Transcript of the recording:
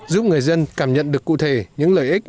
giúp người dân cảm nhận được cụ thể những lợi ích